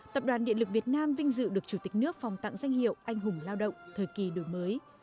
tập đoàn điện lực việt nam vinh dự được chủ tịch nước phòng tặng danh hiệu anh hùng lao động thời kỳ đổi mới